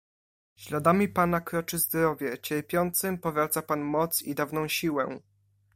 "Śladami pana kroczy zdrowie, cierpiącym powraca pan moc i dawną siłę."